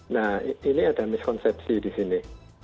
nah ini ada miskonsepsi di sini